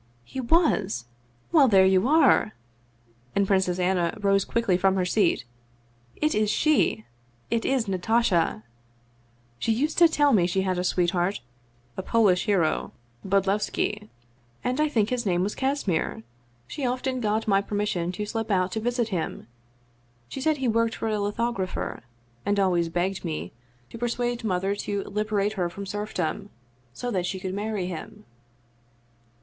" He was ? Well, there you are !" and Princess Anna rose quickly from her seat. " It is she it is Natasha ! She used to tell me she had a sweetheart, a Polish hero, Bod levski. And I think his name was Kasimir. She often got my permission to slip out to visit him ; she said he worked for a lithographer, and always begged me to persuade 217 Russian Mystery Stories mother to liberate her from serfdom, so that she could marry him."